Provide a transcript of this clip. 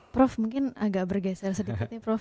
prof mungkin agak bergeser sedikit nih prof